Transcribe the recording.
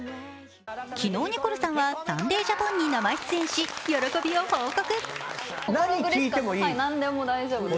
昨日、ニコルさんは「サンデー・ジャポン」に生出演し、喜びを報告。